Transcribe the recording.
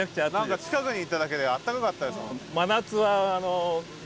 何か近くに行っただけであったかかったですもん。